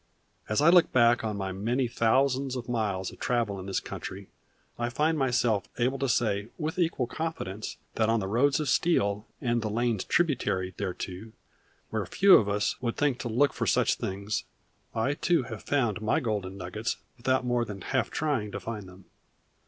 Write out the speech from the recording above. As I look back on my many thousands of miles of travel in this country I find myself able to say with equal confidence that on the Roads of Steel, and the lanes tributary thereto, where few of us would think to look for such things, I too have found my golden nuggets without more than half trying to find them.